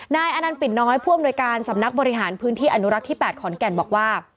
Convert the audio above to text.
นายอนันต์ปิ่นน้อยผู้อำนวยการสำนักบริหารพื้นที่อนุรักษ์ที่๘ขอนแก่นบอกว่า